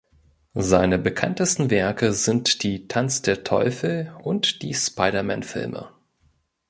Seine bekanntesten Werke sind die "Tanz-der-Teufel"- und die "Spider-Man"-Filme.